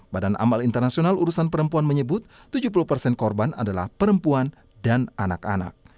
badan amal internasional urusan perempuan menyebut tujuh puluh persen korban adalah perempuan dan anak anak